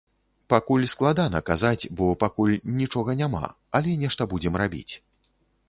Пакуль складана казаць, бо пакуль нічога няма, але нешта будзем рабіць.